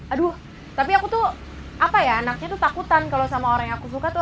aduh tapi aku tuh apa ya anaknya tuh takutan kalau sama orang yang aku suka tuh